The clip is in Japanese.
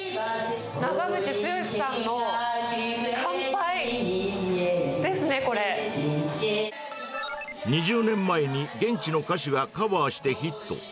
長渕剛さんの乾杯ですね、２０年前に、現地の歌手がカバーしてヒット。